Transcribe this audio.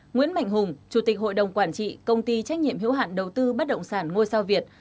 nguyễn mạnh hùng chủ tịch hội đồng quản trị công ty trách nhiệm hữu hạn đầu tư bất động sản ngôi sao việt